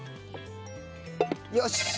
よし。